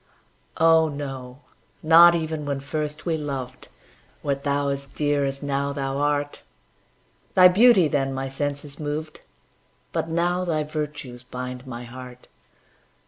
Oh, no not even when first we loved, Wert thou as dear as now thou art; Thy beauty then my senses moved, But now thy virtues bind my heart.